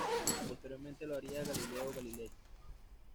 Posteriormente lo haría Galileo Galilei.